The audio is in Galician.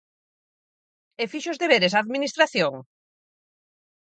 E fixo os deberes a Administración?